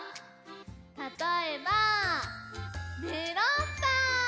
たとえばメロンパン！